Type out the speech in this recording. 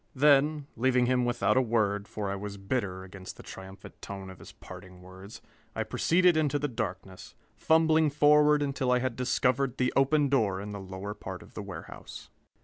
Then, leaving him without a word, for I was bitter against the triumphant tone of his parting words, I proceeded into the darkness, fumbling forward until I had discovered the open door in the lower part of the warehouse.